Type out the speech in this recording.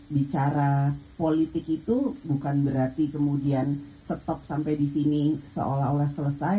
bicara politik itu bukan berarti kemudian stop sampai di sini seolah olah selesai